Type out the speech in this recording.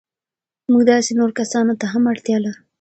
موږ داسې نورو کسانو ته هم اړتیا لرو.